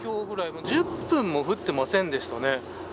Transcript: １０分も降ってませんでしたね。